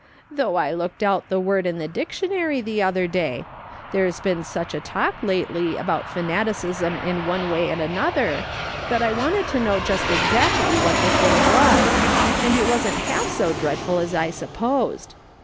" Though I looked out the word in the dictionary the other day ; there's been such a big talk lately about fanaticism in one way and another, that I wanted to know just exactly what the thing was, and it wasn't half so dreadful as I supposed.